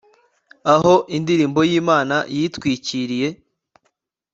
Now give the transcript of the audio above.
Aho indirimbo yimana yitwikiriye